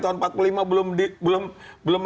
tahun empat puluh lima belum